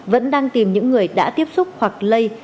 vẫn đang tìm những người đã tiếp xúc hoặc lây